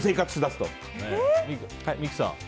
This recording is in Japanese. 三木さん